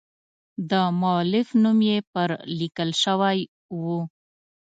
د مؤلف نوم یې پر لیکل شوی و.